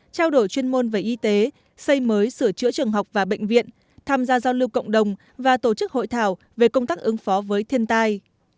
trao đổi chuyên môn về y tế xây mới sửa chữa trường học và bệnh viện tham gia giao lưu cộng đồng và tổ chức hội thảo về công tác ứng phó với thiên tai